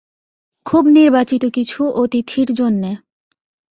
খুব নির্বাচিত কিছু অতিথির জন্যে।